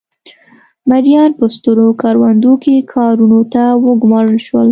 مریان په سترو کروندو کې کارونو ته وګومارل شول.